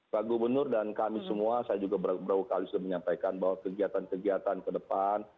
pak gubernur dan kami semua saya juga berukali sudah menyampaikan bahwa kegiatan kegiatan ke depan